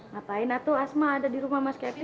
ngapain natu asma ada di rumah mas kevin